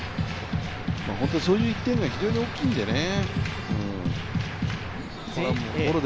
本当にそういう１点が非常に大きいのでね。